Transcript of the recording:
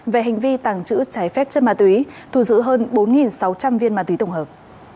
về hành vi tàng trữ trái phép chất ma túy thù giữ hơn bốn sáu trăm linh viên ma túy tổng hợp